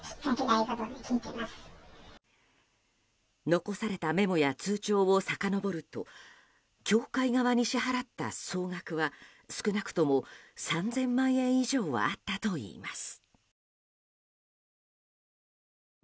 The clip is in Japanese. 残されたメモや通帳をさかのぼると教会側に支払った総額は少なくとも３０００万円以上はあったといいます。